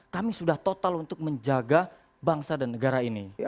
kami sudah total untuk menjaga bangsa dan negara ini